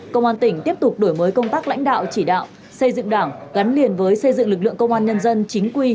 công an tỉnh tiếp tục đổi mới công tác lãnh đạo chỉ đạo xây dựng đảng gắn liền với xây dựng lực lượng công an nhân dân chính quy